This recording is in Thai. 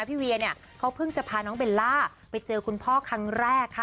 ทีแล้วพี่เวียเค้าพึ่งจะพาน้องเบลล่าไปเจอคุณพ่อครั้งแรก